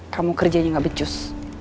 kamu kerjanya gak becus